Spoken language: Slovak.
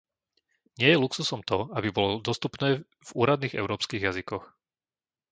Nie je luxusom to, aby bolo dostupné v úradných európskych jazykoch.